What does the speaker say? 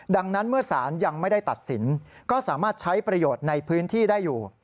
ดังนั้นเมื่อสารยังไม่ได้ตัดสินก็สามารถใช้ประโยชน์ในพื้นที่ได้อยู่